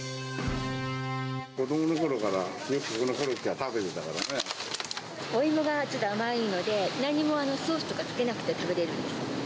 子どものころからよく、お芋がちょっと甘いので、なんにも、ソースとかつけなくて食べれるんです。